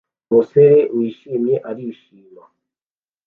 Umusore wishimye arishima